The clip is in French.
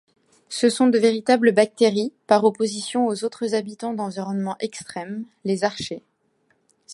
Ce sont de véritables bactéries, par opposition aux autres habitants d'environnements extrêmes, les archées.